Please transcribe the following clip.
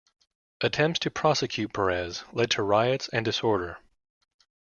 Attempts to prosecute Perez led to riots and disorder.